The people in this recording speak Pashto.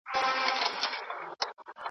چي له قاصده مي لار ورکه تر جانانه نه ځي .